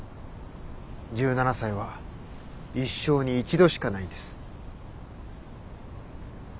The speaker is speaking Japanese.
１７才は一生に一度しかないんです。